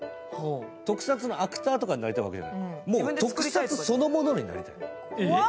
特撮のアクターとかになりたいわけじゃない、もう特撮そのものになりたいの。